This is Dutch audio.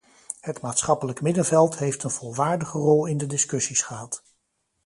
Het maatschappelijk middenveld heeft een volwaardige rol in de discussies gehad.